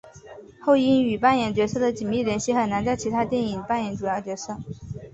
后因与扮演角色的紧密联系很难在其他电影扮演主要角色。